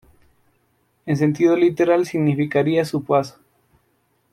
En sentido literal significaría "su paso".